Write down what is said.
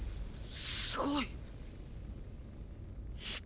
すごい。